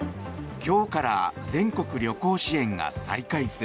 今日から全国旅行支援が再開する。